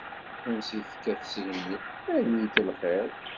Ansi tekka tsegnit, ad ikk lxiḍ.